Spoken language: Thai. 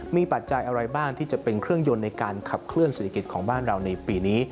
มีปัจจัยอะไรบ้างที่จะเป็นเครื่องยนต์ในการขับเคลื่อเศรษฐกิจของบ้านเราในปีนี้